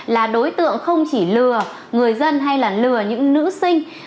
là đối tượng không chỉ lừa người dân hay là lừa những nữ sinh